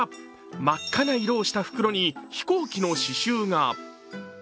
真っ赤な色をした袋に飛行機の刺しゅうが。